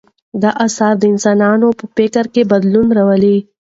دا اثر د انسانانو په فکر کې بدلون راولي.